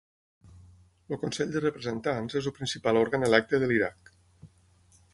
El Consell de Representants és el principal òrgan electe de l'Iraq.